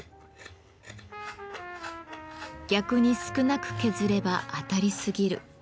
逆に少なく削れば当たりすぎる。